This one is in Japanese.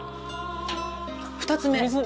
２つ目。